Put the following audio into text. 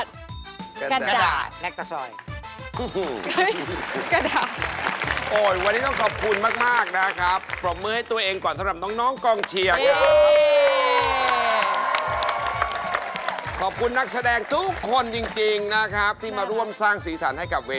สุพรรณเลยต้องเชื่อคนเชื่อ